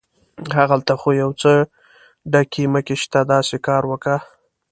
هغلته خو یو څه ډکي مکي شته، داسې کار وکه.